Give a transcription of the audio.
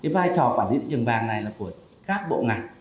vai trò quản lý thị trường vàng này là của các bộ ngành